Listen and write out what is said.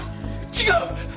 違う！